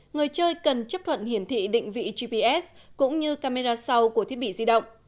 người chơi cần chấp thuận hiển thị định vị gps cũng như camera sau của thiết bị di động